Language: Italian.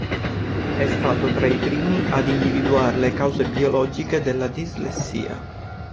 È stato tra i primi ad individuare le cause biologiche della dislessia.